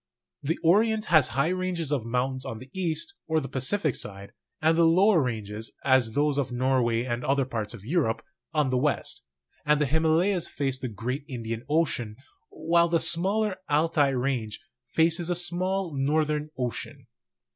The Orient has high ranges of mountains on the east, or the Pacific side, and the lower ranges, as those of Norway and other parts of Europe, on the west; and the Himalayas face the great Indian Ocean, while the smaller Altai range faces the small Northern Ocean.